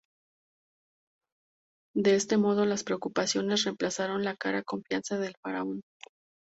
De este modo, las preocupaciones reemplazaron la clara confianza del faraón.